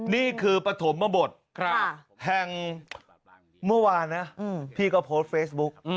นี่คือปฐมบทแห่งเมื่อวานนะพี่ก็โพสต์เฟซบุ๊ก